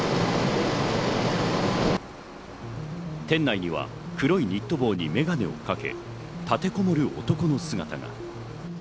店内には黒いニット帽にメガネをかけ、立てこもる男の姿が。